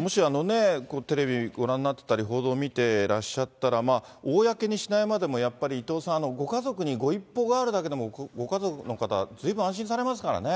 もし、テレビご覧になってたり、報道見てらっしゃったら、公にしないまでも、やっぱり伊藤さん、ご家族にご一報があるだけでも、ご家族の方、ずいぶん安心されますからね。